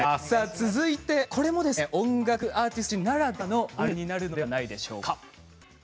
続いてこれも音楽アーティスト推しならではのあるあるになるのではないでしょうか。